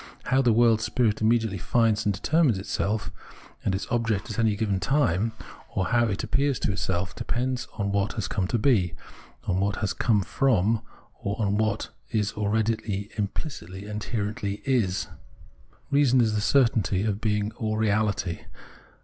How the world spirit immediately finds and determines itself and its object at any given time, or how it appears to itself, depends on what it has come to be, on what it has come from, or on what it already imphcitly and inherently is. Reason is the certainty of being all reahty.